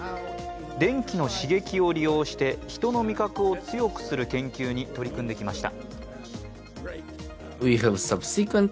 電気の刺激を利用して人の味覚を強くする研究に取り組んできました。